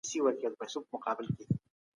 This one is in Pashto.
پښتو ډېره پراخه ده.